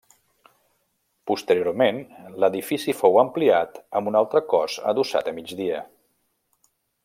Posteriorment l'edifici fou ampliat amb un altre cos adossat a migdia.